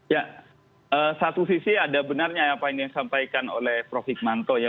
ya satu sisi ada benarnya apa yang disampaikan oleh prof hikmanto ya